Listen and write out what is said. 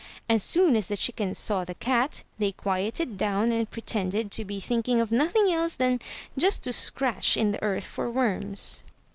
As soon as the chickens saw the cat, they quieted down and pretended to be thinking of nothing else than just to scratch in the earth for worms.